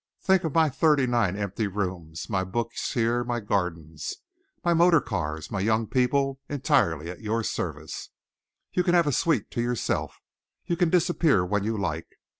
Think of my thirty nine empty rooms, my books here, my gardens, my motor cars, my young people, entirely at your service. You can have a suite to yourself. You can disappear when you like.